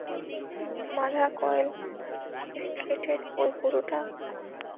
মাধা কোয়েল স্ট্রীটের ওই বুড়োটা?